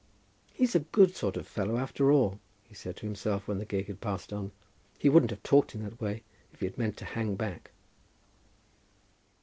"He's a good sort of a fellow after all," he said to himself when the gig had passed on. "He wouldn't have talked in that way if he had meant to hang back."